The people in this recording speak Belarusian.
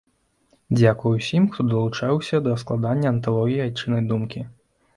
Дзякуй усім, хто далучыўся да складання анталогіі айчыннай думкі!